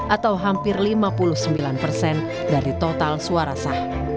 atau hampir lima puluh sembilan persen dari total suara sah